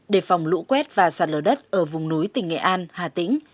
đề phòng lũ quét và sạt lở đất ở vùng núi tỉnh nghệ an hà tĩnh